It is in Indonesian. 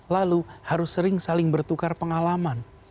lalu harus sering saling bertukar pengalaman